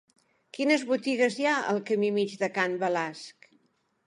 Quines botigues hi ha al camí Mig de Can Balasc?